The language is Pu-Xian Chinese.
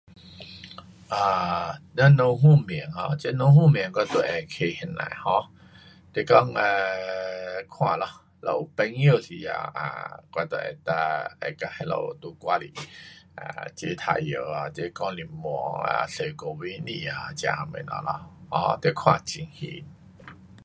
um 这个方面，这个方面我就会去怎样 um 是讲 um 看咯，如有朋友时候 um 我就能够 um 会跟他们在外里，起玩耍，看新闻啊，坐咖啡店啊这样东西咯，um 得看情形。